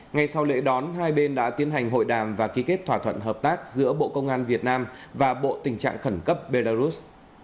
ngay sau lễ đón hai bên đã tiến hành hội đàm và ký kết thỏa thuận hợp tác giữa bộ công an việt nam và bộ tình trạng khẩn cấp belarus